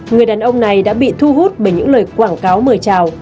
người đàn ông này đã bị thu hút bởi những lời quảng cáo mời trào